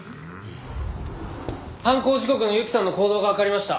犯行時刻の雪さんの行動がわかりました。